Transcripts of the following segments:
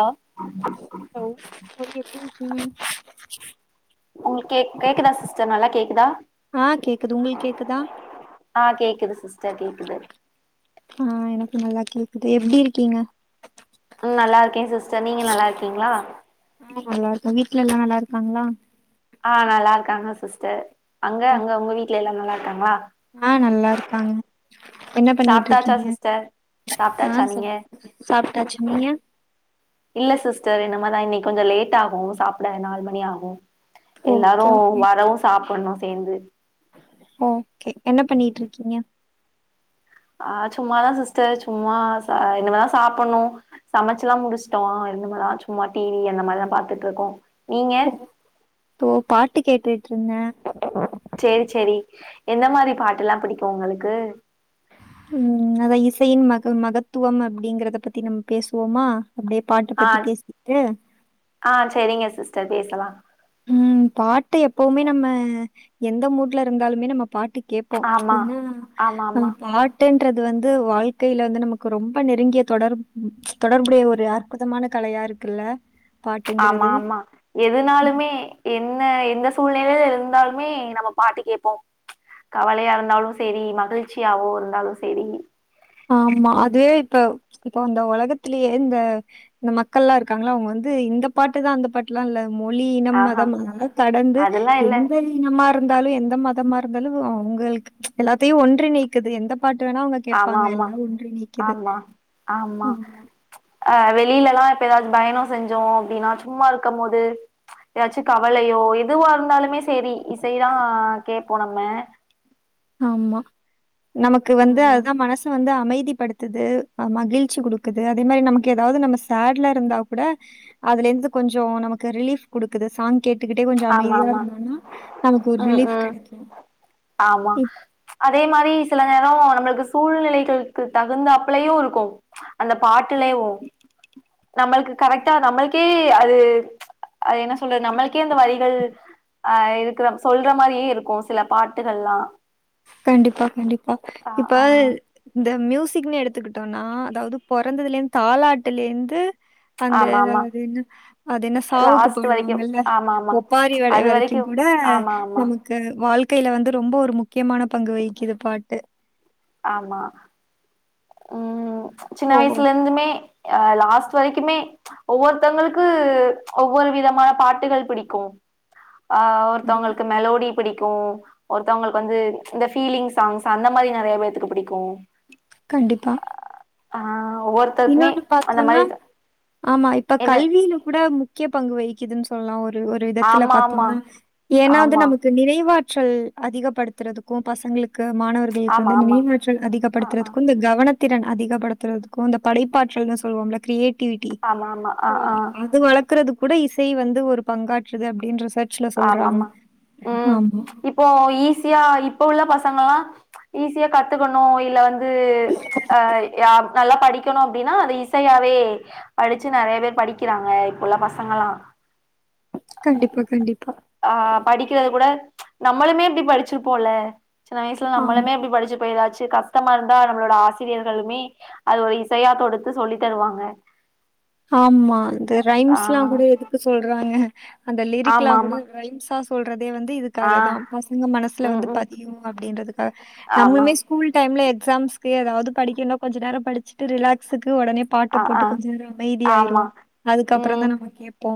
Hello hello தோழி எப்டி இருக்கீங்க உங்களுக்கு கேக் கேக்குதா ஸ் சிஸ்டர் நல்லா கேக்குதா ஆஹ் கேக்குது உங்களுக்கு கேக்குதா ஆ கேக்குது சிஸ்டர் கேக்குது ஆஹ் எனக் நல்லா கேக்குது எப்டி இருக்கீங்க ம் நல்லா இருக்கே சிஸ்டர் நீங்க நல்லா இருக்கீங்களா நல்லா இருக்கோ வீட்ல எல்லா நல்லா இருக்காங்களா ஆ நல்லா இருக்காங்க சிஸ்டர் அங்க அங்க உங்க வீட்ல எல்லா நல்லாரு க்காங்ளா ஆஹ் நல்லா இருக்காங்க என்ன பண்ணிட்டு சாப்ட்டாச்சா இருக்கீங்க சிஸ்டர் சாப்ட்டாச்சா ஆ சொ நீங்க சாப் ட்டாச்சு நீங்க இல்ல சிஸ்டர் இனுமதா இன்னைக்கி கொஞ்சோ லேட் ஆகு சாப்ட நாலு மணி ஆகு ஓகே எல்லாரு ஓகே வரவும் சாப் ஒண்ணா சேந்து ஓகே என்ன பண்ணிட்டு இருக்கீங்க ஆ சும்மாதா சிஸ்டர் சும்மா சா இனுமதா சாப்புட்ணு சமைச்சில்லா முடிச்ட்டோ இனுமதா சும்மா டிவி அந்த மாதிரிதா பாத்தட்டு இருக்கோ நீங்க இதோ பாட்டு கேட்டுட் ட்டுருந்த சரி சரி எந்த மாதிரி பாட்டு எல்லாம் பிடிக்கும் உங்களுக்கு உம் அதான் இசையின் மக மகத்துவம் அப்படிங்கறத பத்தி நம்ம பேசுவோமா அப்படியே பாட்டை ஆ பத்தி பேசிக்கிட்டு சர் பேசலாமா உம் பாட்டு எப்பவுமே நம்ம எந்த மூட்ல இருந்தாலுமே நம்ம பாட்டு கேட்போம் ச்சு ஆமா ஏன்னா ஆமா நம்ம ஆமா பாட் டைம் இசைங்குறது வந்து வாழ்க்கையில வந்து நமக்கு ரொம்ப நெருங்கிய தொடர்பு தொடர்புடைய ஒரு அற்புதமான கலையா இருக்குல்ல ஆமா பாட்டுங்கிறது. ஆமா எதுனாலுமே என்ன எந்த சூழ்நிலையில இருந்தாலுமே நம்ம பாட்டு கேட்போம் கவலையா இருந்தாலும் சரி மகிழ்ச்சியாவோ இருந்தாலும் சரி ஆமா அது இப்ப இப்ப அந்த உலகத்திலயே இந்த இந்த மக்கள் எல்லாம் இருக்காங்களா அவங்க வந்து இந்த பாட்டுதான் அந்த பாட்டுலாம் இல்ல மொழி இனம் ஆஹா மதம் அதல்லாம் கடந்து அதெல்லா இல்ல எந்த இனமா இருந்து இருந்தாலும் எந்த மதமா இருந்தாலும் உங்களுக்கு எல்லாத்தையும் ஒன்றி நீக்குது எந்த பாட்டுனா ஆமா ஆமா ஆமா ஆமா அஹ் வெளியில எல்லா இப்ப ஏதாச்சும் பயணம் செஞ்சோம் அப்படின்னா சும்மா இருக்கும் போது ஏதாச்சும் கவலையோ எதுவா இருந்தாலுமே சரி இசைதான் கேட்போம் நம்ம ஆமா நமக்கு வந்து ம் அதுதான் மனசு வந் அமைதிப்படுத்துது மகிழ்ச்சி கொடுக்குது அதே மாதிரி நமக்கு ஏதாவது நம்ம சேட்ல இருந்தா கூட அதுல இருந்து கொஞ்சம் நமக்கு ரிலீஃப் கொடுக்குது சாங் கேட டுக்கிட்டே கொஞ்சம் ஆமா அமைதியா ஆமா இருந்தோனா நமக்கு ஒரு ம் ரிலீஃப் ம் கிடைக்கும் ஆமா அதே மாரி சில நேரம் நம்மளுக்கு சூழ்நிலைகளுக்கு தகுந்துப்லயும் இருக்கும் அந்த பாட்டுலையும் நம்மளுக்கு கரெக்டா நம்மளுக் அது அது என்ன சொல்றது நம்மளுக்கே அந்த வரி அஹ் இருக்கிற சொல்ற மாதிரியே இருக்கும் சில பாட்டுகள்லாம் கண்டிப்பா கண்டிப்பா ஆ இப்ப ஆ இந்த மியூசிக்னு எடுத்துக்கிட்டோனா அதாவது பொறந்ததுலேருந் தாலாட்டுலேருந்து. அந்த ஆமா ஆமா அது என்ன அது என்ன சாவுக்கு லாஸ்ட் வரைக்கு போடுவாங்கல்ல ஆமா ஆமா ஒப்பாரி வடை அது வரைக்கு வரைக்கும் கூட ஆமா ஆமா நமக்கு வாழ்க் கில வந்து ரொம்ப ஒரு முக் முக்கியமான பங்கு வகிக்குது பாட்டு ஆமா ஹும் சின்ன ஓ! வயசுல இருந்துமே ஹ லாஸ்ட் வரைக்குமே ஒவ்வொருத்தவங்களுக்கு ஒவ்வொரு விதமான பாட்டுகள் பிடிக்கும். ஆ கண்டிப்பா. ஒருத்தவங்களுக்கு மெலோடி பிடிக்கும் ஒருத்தவங்களுக்கு வந்து இந்த, ஃபீலிங் சாங்ஸ் அந்த மாதிரி நெறைய பேத்க்கு புடிக்கும் கண்டிப்பா ஆ ஒவ்வொருத்தருக்குமே இன்னொன்னு அந்த பாத்தோன்னா மாரி ஆமா இப்ப என்ன கல்வில கூட முக்கியப் பங்கு வகிக்குதுன்னு சொல்லா ஒரு ஒரு ஒரு விதத்துல ஆமா ஆமா பாத்தோன்னா ஏன்னா அது ஆமா நமக்கு நிறைவாட் ட்ரல் அதிகப்படுத்துறதுக்கும் பசங்களுக் க்கு மாணவர்களுக்கு ஆமா வந்து ஆமா நினைவாற்றல் அதிகப்படுத்துறதுக்கு இந்த கவனத் திறன் அதிகப்படுத்துறதுக்கும் இந்தப் படைப்பாற்றல்ன்னு சொல்லுவம்ல கிரியேட் ட்டிவிட்டி ஆமா ஆமா ஆ ஆ அது வளக்கரதுக் கூட இசை வந்து ஒரு பங்காற்றுது அப்டின்றஸ் ஆமாமா உம் மச் இப்போ ஈஸியா இப்ப உள்ள பசங் சங்கல்லா மச் ஈஸியா கத்துக்கணு இல்ல வந் து ப்ச் அ யாப். நல்லா படிக்கணு அப்டினா அத இசையாவே படிச்சு நெறைய பேர் படிக்கிறாங்க இப்பவுல்ல பசங்கலா. கண்டிபா கண்டிப்பா. ஆ படிக்கிறது கூட ப்ச் நம்மளுமே இப்டி படிச்சிருப்போல. சின்ன வயசில ஆமா. நம்மலுமே இப்டி படிச்சிருப்போ ஏதாச்சு சி கஷ்டமாருந்தா நம்மளோட ஆசிரியர்களுமே அது ஒரு இசையா தொடுத்து சொல்லித்தருவாங்க. ஆம்மா இந்த ரைம்ஸ்லா கூட எதுக்கு சொல்றாங்க. அந்த லிரிக்லா ஆமா கூட ஆமா ரைம்ஸா. சொல்றத் தே வந்து ஆ இதுக்காக தான் பசங்க மனசுல ம் வந்து ம் பதியு அப்டின்றதுக்காக ஆமா நம்மளுமே ஸ்கூல் டைம்ல எக் ஸாம்ஸ்க்கு ஏதாவது படிக்கணு கொஞ்ச நேரோ படிச்சிட்டு ரிலாக்ஸு க்கு ஒடனே பாட்டு ஆ ஆ போட்டு கொஞ்ச நேரோ ப்டி ஆயிருவோ ஆமா அதுக்கப்றோ தா ம் நம்ம கேப்போ.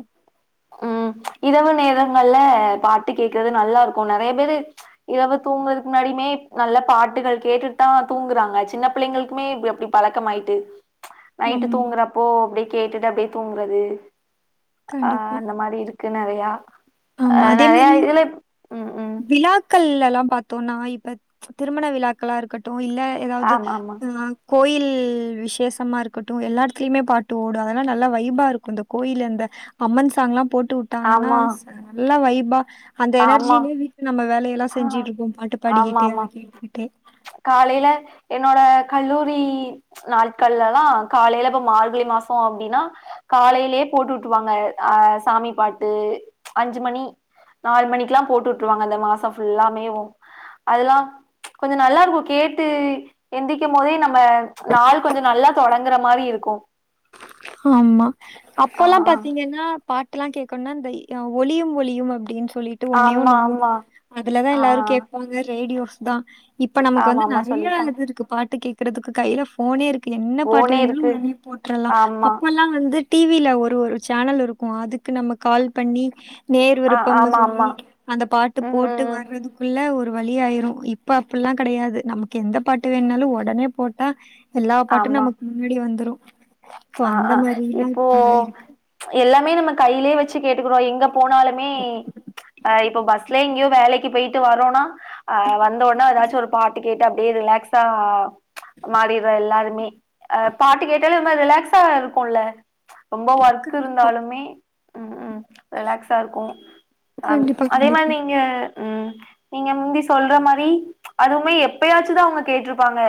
ம் ப்ச் இரவு நேரங்கள்ல பாட்டு கேக்குறது நல்லாருக்கும் நெறைய பேரு ப்ச் இரவு தூங்குறதுக்கு முன்னாடியுமே நல்ல பாட்டுகள் கேட்டுட்டு தா தூங்குறாங்க சின்ன பிள்ளைங்ளுக்குமே இப்டி அப்டி பழக்கமாய்ட்டு. ப்ச் நைட்டு ஆமா. தூங்றப்போ அப்டியே கேட்டுட்டு அப்டே தூங்றது. கண்டிப்பா. இது நெறையா. அ, நெறையா இதுலப் ம். ம் விழாக்கள் லெல்லா பாத்தோனா இப்ப ம்ச் திருமண விழாக்களா இருக்கட்டு. ஓ, இல்ல எதாவது ஆமா அ கோயில் விசேஷமா இருக்கட்டும் எல்லா எடத்துலிமே பாட்டு ஓடும் அதல்லா நல்லா வைஃபாருக்கும் இந்த கோயிலு இந்த அம்மன் சாங்லாம். போட்டு வுட்டாங்கனா ஆமா ஸ்ஸ நல்ல வைஃப். அந்த ஆமா ஆமா எனர்ஜீயிலே வீ நம்ம வேலயெல்லா ஆ செஞ்சுட்ருப்போம் பாட்டு ஆமா பாடிகிட்டே அத ஆமா கேட்டுக்கிட்டே காலையில என்னோட கல்லூரி ப்ச் நாட்கள்லலா காலைல இப்ப மார்கழி மாசோ அப்டின்னா காலைலியே போட்டுட்ருவாங்க அஹ் சாமி பாட்டு ப்ச் அஞ்சு மணி நாலு மணிக்லா போட்டுட்ருவாங்க அந்த மாசம். ஃபுல்லாமேவும் அதுலா ப்ச் கொஞ்சோ நல்லாருகும் கேட்டு எந்திக்கும் போதே நம். ம்ம ப்ச் நாள் கொஞ்சோ நல்லா தொடங் ங்கற மாறி இருக்கும். ஆம்மா. அப்போல்லா பாத்தீங்கனா. பாட்டுலா கேக்குன்னா இந்த இய் ஒலியும் ஒலியும் அப்டின்னு. சொல்லிட்டு ஒன்னே ஆமா ஒன்னு ஆமா ஓடும் அதுலதான் ஆ எல்லாரு கேட்பாங்க ரேடியோ. தா இப்ப செ நமக்கு ஆமா வந்து ஆமா நெறையா சொல்லிருக்காங்க இது இருக்கு பாட்டு கேக் கிறதுக்கு கையில போனே இருக் என்ன பாட்டு போனே வேணுனாலு இருக்கு உடனே போட்டுரலா ஆமா அப்போல்லா வந்து டிவியில ஒரு ஒரு சேனல் இருக்கும் அதுக்கு நம்ம கால் பண்ணி நேயர் ஆ விருப்பம்னு ஆமா ஆமா சொல்லி அந்த பாட்டு ம் போட்டு ம் ம் வர்றதுக்குள்ள ஒரு ஒரு வழி ஆயிரு இப்ப அப்டில்லா கிடையாது நமக்கு எந்த பாட்டு வேணுனாலு உடனே போட்டா எல்லா பாட்டு நமக்கு முன்னாடி வந்துரு சோ ச்சு ஆஹ் அந்த அஹ் மாரிலா இப்போ இப்ப இருக்கு ச்சு எல்லாமே நம்ம கையிலேயே வச்சு கேட்டுக்கிறோ எங்க போனாலுமே ச்சு ஆ இப்ப பஸ்லே எங்கயோ வேலைக்கு போயிட்டு வரோனா அஹ் வந்தவுடனே ஏதாச்சு ஒரு பாட்டு கேட்டு அப்படியே ரிலாக்ஸா ச்சு மாறிடுற எல்லாருமே அஹ் பாட்டு கேட்டாலு ம்ம ரிலாகக்ஸ் சா இருக்குல ச்சு ரொம்ப ஒர்க் இருந்தாலுமே ம் ம் ரிலாக்ஸா இருக்கு அஹ ச்சு கண்டிப்பா அதே மாறி கண்டிப்பா நீங்க உம் நீங்க முந்தி சொல்ற மாறி ச்சு அதுவுமே எப்பயாச்சுதா அவங்க கேட்ருப்பாங்க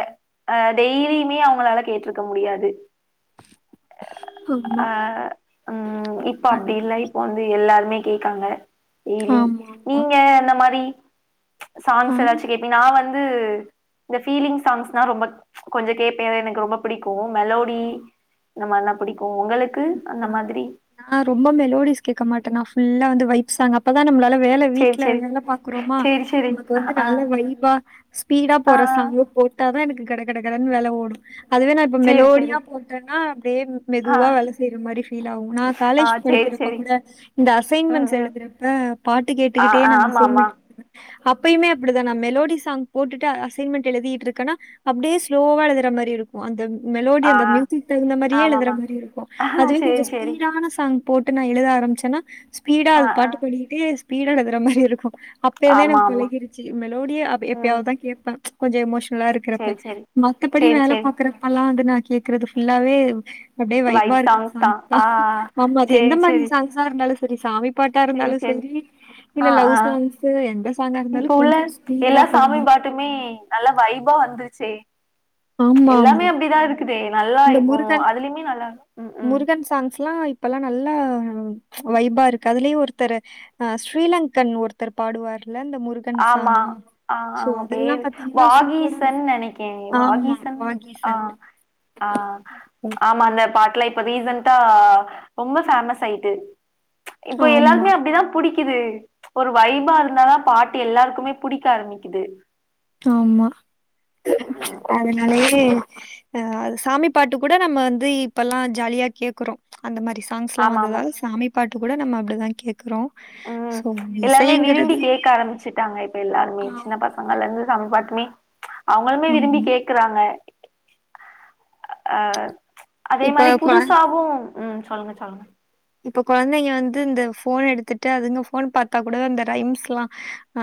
அஹ் டெய்லியுமே அவங்களால கேட்ருக்க முடியாது ஆமா ஆ ஆஹ் உம் இப்போ கண்டிப்பா அப்டி அதே இல்ல மாரி இப்போ வந்து எல்லாருமே கேக்காங்க டெய்லி ஆமா ஆமா நீங்க அந்த மாரி ஆ சாங்ஸ் எதாச்சு கேப்பீ நா வந் து இந்த ஃபீலிங் சாங்ஸ்னா ரொம்ப ச்ச கொஞ்ச கேப்பே ஏன்னா எனக்கு ரொம்ப பிடிக்கோ மெலோடி இந்த மாரிலா புடிக்கோ உங்களுக்கு அந்த மாதிரி நா ரொம்ப மெலோடிஸ் கேட்க மாட்டே நா ஃபுல்லா வந்த வைப்ஸ் சாங் அப்பதா நம்ளால வேல சேரி வீட்ல சேரி வேல பாக்குறோமா சேரி சேரி நமக்கு ஆ வந்து ஆ நல்ல வைப்பா ஸ்பீடா ஆ போற சாங்கு போட்டாதா எனக்கு கட கட கடனு வேல ஓடோ அதுவே நா இப்ப சேரி சேரி மெலோடியா போட்டன்னா அப்டே ஆ மெதுவா வேல செய்ற மாரி ஃபீல் ஆவோ நா ஆ காலேஜ் சேரி படிக்கிறப்ப சேரி கூட இந்த ம் அசைன்மெண்ட்ஸ் ம் எழுதறப்ப பாட்டு ஆ கேட்டுக்கிட்டே ஆ நாங்க ஆமாமா அசைன்மெண்ட் அப்பயுமே அப்டிதா நா மெலோடி சாங் போட்டுட்டு அ அசைன்மெண்ட் எழுதீட்டிர்க்கனா அப்டே ஸ்லோவா எழுதற மாரி இருக்கோ அந்த மெலோடி ஆ அந்த மியூசிக் தகுந்த மாரியே எழுதற ஆமாமா மாரி இருக்கோ ஆ அதுவே கொஞ்ச சேரி சேரி ஸ்பீடான அ போட்டு நா எழுத ஆரம்பிச்சன்னா பீடா ஆ ஆ அதுபாட்டுக்கு ஓடிகிட்டே பீடா எழுதற மாரி இருக்கோ அப்ப இர்ந்தே ஆமா எனக்கு ஆமா பழகிருச்சு மெலோடியே அப் ம் எப்யாவதுதா கேப்பே ச்ச கொஞ்ச எமோஸ் ல்லா இருக்கறப்ப சேரி சேரி மத்தபடி சேரி வேல சேரி பாக்கறப்பெல்லா அந்த நா கேக்கறது ஃபுல்லாவேவ் அப்டே வைப்பா வைப் இருக்கற சாங்ஸ் தான் சாங்க்கா ஆ ஆமா அது எந்த மாரி சாங்ஸ்சா இருந்தாலு செ செரி சாமி பாட்டா செரிங்க இருந்தாலும் செரிங் சரி, இல்ல ஆ லவ் ஆ ஆ சாங்ஸு எந்த சாங்கா இப்ப இருந்தாலும் உள்ள கொஞ்சம் ஸ்பீடா எல்லா சாமி போடணும். பாட்டுமே நல்ல வைப்பா வந்துருச்சே ச்ச ஆமா, எல்லாமே ஆமா. அப்டிதா இருக்குதே நல்லா இந்த இப்போ முருகன் அதிலிமே நல்லா உம் உம் இப்பல்லா நல்லா ச்ச வைப்பா இருக்கு அதுலயு ஒருத்தரு ஆ ஸ்ரீலங்கன் ஒருத்தர் பாடுவார் ஆமா ஆ அவுங்க அதெல்லாம் பேரு பார்த்தீங்கன்னா சூப்பரா இருக்கும். வாகீசன் நெனைக்கேவே ஆமா வாகிசன் ஆ வாகீசன் ஆ ச்ச ஆமா அந்த பாட் ல இப்ப ரீசன்டா ரொம்ப பேமஸ் ஆயிட்டு ச்ச இப்போ ஆமா எல்லார்க்குமே அப்டிதா புடி த்து ச்ச ஒரு வைப்பா இருந்தா தா பாட் தி எல்லாருக்குமே புடிக்க ஆரம்பிக்குது ஆமா ம். அதனாலயே அ அது சாமி பாட்டுக் கூட நம்ம வந்து இப்பல்லா ஜாலியா கேக்குறோ அந்த மாரி சாங்ஸ்லா ஆமாமா. வந்ததாக சாமி பாட்டு கூட நம்ம அப்டி தா கேக் கறோ ம். சோ எல்லாருமே விரும்பி இசைங்கிறது கேக்க ஆரம்பிச்சுட்டாங்க இப்ப எல்லாருமே சின்ன ஆமா பசங்கல்லருந்து சாமி பாட்டு மே அவங்களுமே விரும்பி ஆமா கேக்கறாங்க அஹ் அதே இப்ப மாரி குழ- புதுசாவு ம் சொல்லுங்க சொல்லுங்க இப்ப கொழந்தைங்க வந்து இந்த ஃபோன் எடுத்துட்டு அதுங்க ஃபோன் பாத்தா கூட அந்த ரைம்ஸ்ல்லா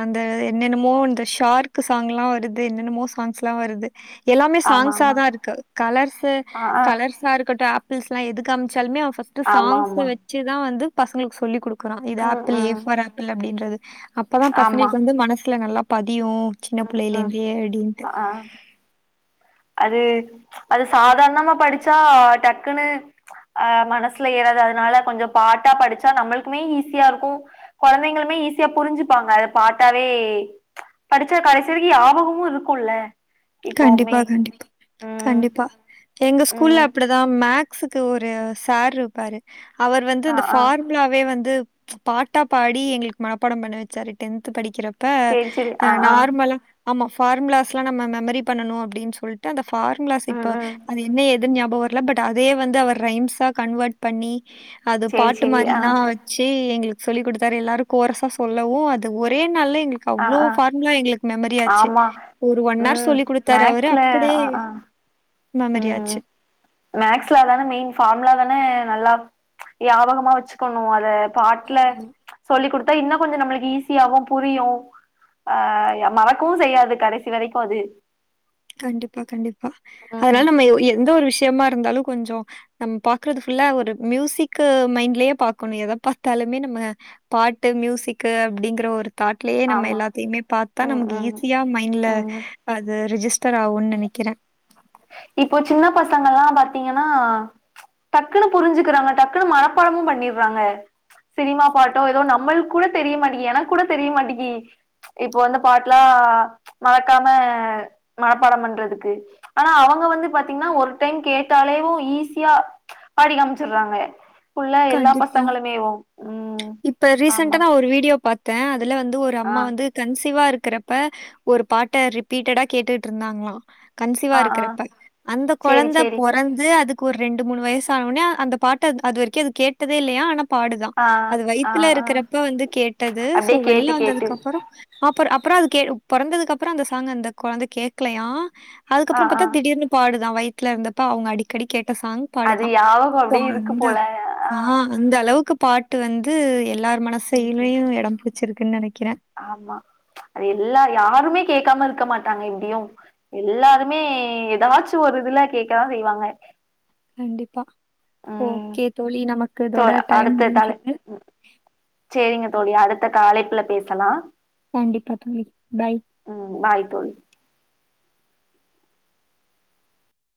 அந்த என்னென்னமோ இந்த ஷார்க்கு சாங்ல்லா வருது என்னென்னமோ சாங்ஸ்ல்லா வருது எல்லாமே சாங்ஸா ஆமாமா. தா இருக்கு கலர்ஸு ஆ ஆ கலர்ஸா இருக்கட்டு ஏ பிள்ஸ்ல்லா எது காம்ச்சால்மே ஆமா ஆமா இதா வந்து பசங்களுக்கு சொல்லி குடுக் குறோ இது ம் ஆப்பிள் ஏ ம் ஃபார் ஆப்பிள் அப்டின்றது அப்ப தா ஆமா பசங்களுக்கு வந்து மனஸ் சுல நல்லா பத் ப்டியு சின்ன புள்ளைலருந்தே அட்டின்ட்டு ஆஹ் அது அது சாதார்ணமா படிச்சா டக்குன்னு அஹ் மனஸ்ல ஏறாது அதுனால கொஞ்சோ பாட்டா படிச்சா நம்மள்க்குமே ஈஸியா இருக்கு கொழந்தைங்களுமே ஈஸியா புரிஞ்சுப்பாங்க அதப் பாட்டாவே படிச்சா கடைசி வரிக்கு யாபகமு இருக்குல்ல கண்டிப்பா இப்பவுமே கண்டிப்பா ம் கண்டிப்பா எங்க ஸ்கூல்ல ம் அப்பிடி தா மேக் ஸ்க்கு ஒரு சார்ருப்பாரு அவர் வந்து ஆ இந்த ஆ ஃபார்முலாவே வந்து பாட்டா பாடி எங்ளுக் மனப்பாடம் பண்ண வச்சாரு டென்த் படிக்கிறப் ப சேரி சேரி எ ஆ ஆ நார்மலா ஆமா பஃபார்முலாஸ்ல்லா நம்ம மெமரி பண்ணனு அப்டின் சொல்லிட்டு அந்த ஃபார்முலாஸ் இப்ப ம் ம் அது என்ன ஏ துன் ஞாபோ வர்ல பட் அதயே வந்து அவர் ரைம்ஸா கன்வர்ட் பண்ணி அது சேரி பாட்டு சேரி ஆ மாரில்லா வச்சு எங்களுக் சொல்லி் குடுத்தாரு எல்லாரு கோரஸ்ஸா சொல்லவு அது ஒரே நாள்ல எங்ளுக்கு ஆ அவ்ளோ ஆ ஃபார்முலா எங்ளுக் மெமரி ஆச்சு ஆமா ஒரு ஒன் ஆர் ம் சொல்லி குடுத் தரா அவரு மேக்ஸ்ல அப்டியே ஆ ஆ ம் ம் மேக்ஸ்ல தானே மெயின் ஃபார்முலா தான நல்லா நியாபகமா வச்சுக்கணும் அத பாட்ல ஆச்சு. சொல்லி் குடுத் இன்னும் கொஞ்சம் நம்மளுக்கு ஈஸியாவும் புரியும். ஆ மறக்கவும் செய்யாது கடைசி வரைக்கும் அது. கண்டிப்பா கண்டிப்பா. அதனால ம் நம்ம எந்த ஒரு விஷயத் தெம்மா இருந்தாலும் கொஞ்சம் நம்ம பாக்கறது ஃபுல்லா ஒரு மியூசிக்கு மைண்ட்லயே பாக்கணும். எத பாத்தாலுமே நம்ம பாட்டு மியூசிக்கு அப்படிங்கற ஒரு தாட்லயே நம்ம ஆமா எல்லாத்தையுமே பாத்தா ம் நமக்கு ம் ஈஸியா மைண்ட்ல ம் அது ரிஜிஸ் த்தரா ஆவுன்னு நெனைக்கிறேன் இப்போ சின்ன பசங்கள்ல்லாம் பாத்தீங்கன்னா டக்குன்னு புரிஞ்சுக்கறாங்க டக்குன்னு மனப்பாடமும் பன்னிறாங்க. சினிமா பாட்டோ ஏதோ நம்மளுக்கு கூட தெரிய மாட்டேங்கி. எனக்கு கூட தெரிய மாட்டேங்கி. இப்போ வந்த பாட்லாம் மறக்காம மனப்பாடம் பண்றதுக்கு ஆனா அவங்க இப்ப வந்து பாத்தீங்கன்னா ஒரு டைம் கேட்டாலேயும் ஈஸியா பாடி காமிச்சிறாங்க. கண்டிப்பா இப்ப ஆமா ரீசண்டா நா ஒரு வீடியோ பாத் தேன். அது உள்ள வந்து ஒரு ஆ அம்மா வந்து கன்சிவா இருக் கிறப்ப ஒரு பாட்ட ரிப்பீட்டடா கேட்டுட்டு இருந்தாங்களாம் கன்சீவா ஆ ஆ இருக்கிறப்ப அந்த சேரி கொழந்த சேரி பொறந்து அதுக் ஒரு ரெண்டு மூணு வயசானோனே அந்த பாட்ட அது வரைக்கும் அது கேட்டதே இல்லையாம். ஆனா பாடுதான். ஆ அது ஆ வயித்துல ஆ இருக்கறப்ப வந்து கேட்டது சோ அப்டியே வெள்ள கேட்டு கேட்டு வந்ததுக்கு அப்புறம் அப்புறம் அப்புறம் அது பா கே பொறந்ததுக்கப்றோ அந்த சாங்க அந்த கொழந்த கேட்கலையா ஆ அதுக்கப்புறோ பாத்த ஆ திடீர்னு பாடு நா வய்த்ல இருந்தப்ப அவுங்க அடிக்கடி கேட் அது யாவகம் அப்டியே இருக்கு போல ஆ அந்த அளவுக்கு பாட்டு வந்து வந்து எல்லாத் சேரி சேரி மனசிலையும் இடம் புடிச் வச்சிருக்குனு நென ஆமா ச்சு அது எல்லா யாருமே கேட்காம இரு இருக்க மாட்டாங்க எப்டியும் எல்லாருமே எதாச்சும் ஒரு இதுல கேக்கதான் செய்வாங்க கண்டிப்பா ம் ஓகே தோழி நமக்கு தோ இதோட டைம் அடுத்த தலை முடிஞ்சுது ம் சேரிங்க தோழி அடுத்த அழைப்புல பேசலா கண்டிப்பா தோழி பாய் [unintelligible]